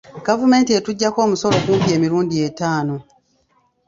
Gavumenti etuggyako omusolo kumpi emirundi etaano.